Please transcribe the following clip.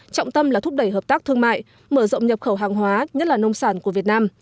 trọng tâm là thúc đẩy hợp tác thương mại mở rộng nhập khẩu hàng hóa nhất là nông sản của việt nam